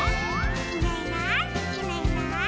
「いないいないいないいない」